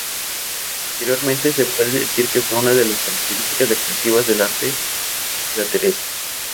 Posteriormente, se puede decir que fue una de las características decorativas del arte plateresco.